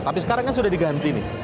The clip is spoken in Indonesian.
tapi sekarang kan sudah diganti nih